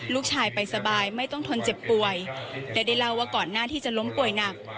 ลูกชายไปสบายไม่ต้องทนเจ็บป่วยและได้เล่าว่าก่อนหน้าที่จะล้มป่วยหนัก